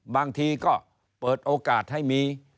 บางทีก็เปิดโอกาสให้มี